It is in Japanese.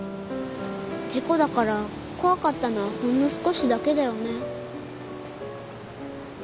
事故だから怖かったのはほんの少しだけだよね？